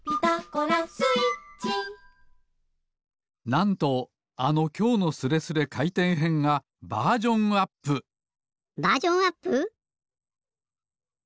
なんとあの「きょうのスレスレかいてんへん」がバージョンアップバージョンアップ！？